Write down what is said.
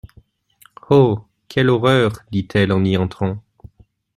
Oh ! quelle horreur ! dit-elle en y entrant.